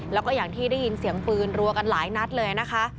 แล้วก็อย่างที่ได้ยินเสียงปืนรัวกันหลายนัดเลยนะคะ